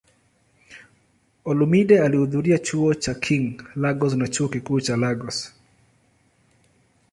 Olumide alihudhuria Chuo cha King, Lagos na Chuo Kikuu cha Lagos.